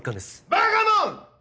バカもん！